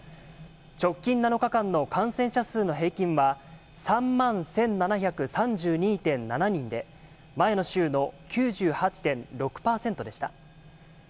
直近７日間の感染者数の平均は３万１７３２．７人で、前の週の９８．６％でした。